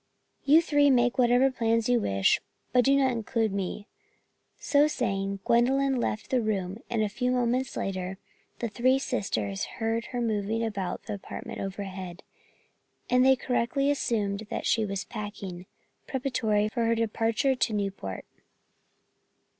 You three make whatever plans you wish, but do not include me." So saying, Gwendolyn left the room and a few moments later the three sisters heard her moving about in the apartment overhead, and they correctly assumed that she was packing, preparatory for her departure to Newport.